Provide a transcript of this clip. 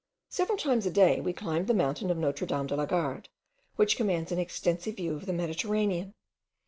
Several times a day we climbed the mountain of Notre Dame de la Garde, which commands an extensive view of the Mediterranean.